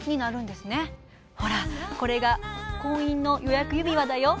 「ほらこれが婚姻の予約指輪だよ」。